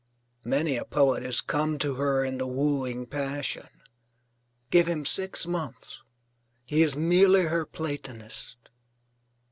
Many a poet has come to her in the wooing passion. Give him six months, he is merely her Platonist.